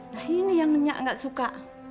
nah ini yang nyak gak suka